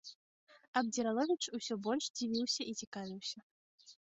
Абдзіраловіч усё больш дзівіўся і цікавіўся.